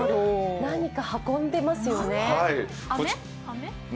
何か運んでますよね。